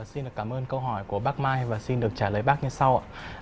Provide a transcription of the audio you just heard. xin cảm ơn câu hỏi của bác mai và xin được trả lời bác như sau ạ